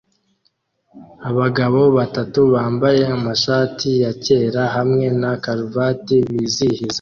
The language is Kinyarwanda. Abagabo batatu bambaye amashati yakera hamwe na karuvati bizihiza